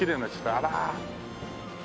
あら。